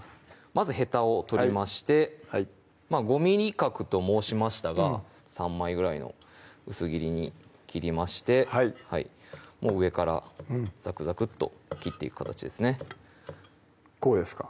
まずヘタを取りましてはい５ｍｍ角と申しましたが３枚ぐらいの薄切りに切りましてはい上からザクザクッと切っていく形ですねこうですか？